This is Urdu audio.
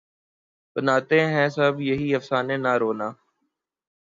بناتے ہیں سب ہی افسانے نہ رونا